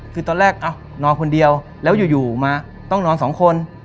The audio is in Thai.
คือตอนแรกนอนคนเดียวแล้วอยู่มาต้องนอนสองคน